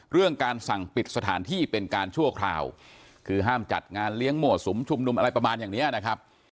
เรื่องการสั่งปิดสถานที่เป็นการชั่วคราวคือห้ามจัดงานเลี้ยงหมั่วสุมชุมนุมอะไรประมาณอย่างเนี้ยนะครับ